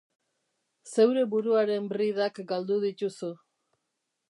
Zeure buruaren bridak galdu dituzu.